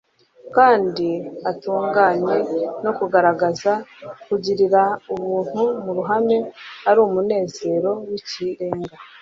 kandi atunganye no kugaragaza kugirira ubuntu mu ruhame, ari umunezero w'ikirenga.